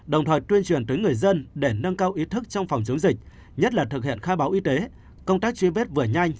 đồng thời tuyên truyền tới người dân để nâng cao ý thức trong phòng chống dịch nhất là thực hiện khai báo y tế công tác truy vết vừa nhanh